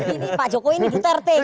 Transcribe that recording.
pak jokowi ini duterte gitu